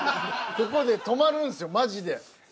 ここで止まるんすよマジで。